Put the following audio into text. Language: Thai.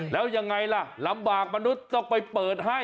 แล้วยังไงล่ะลำบากมนุษย์ต้องไปเปิดให้